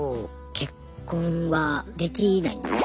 結婚はできないんですよね。